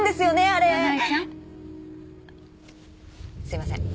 すいません。